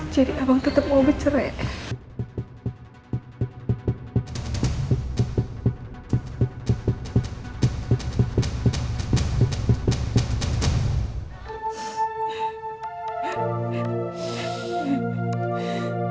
jadi abang tetap mau bercerai